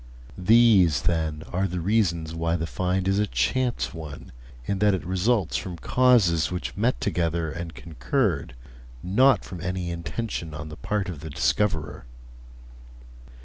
These, then, are the reasons why the find is a chance one, in that it results from causes which met together and concurred, not from any intention on the part of the discoverer.